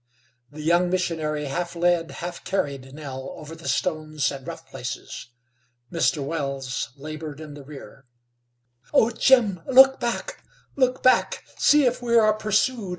The young missionary half led, half carried Nell over the stones and rough places. Mr. Wells labored in the rear. "Oh! Jim! Look back! Look back! See if we are pursued!"